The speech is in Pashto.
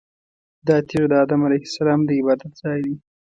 دا تیږه د ادم علیه السلام د عبادت ځای دی.